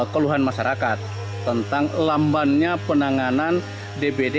keluhan masyarakat tentang lambannya penanganan dbd